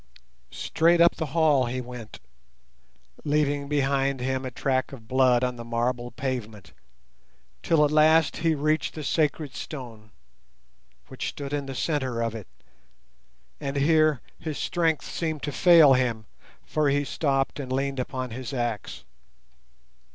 Straight up the hall he went, leaving behind him a track of blood on the marble pavement, till at last he reached the sacred stone, which stood in the centre of it, and here his strength seemed to fail him, for he stopped and leaned upon his axe.